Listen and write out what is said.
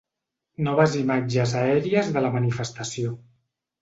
Noves imatges aèries de la manifestació.